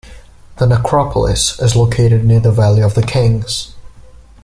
The necropolis is located near the Valley of the Kings.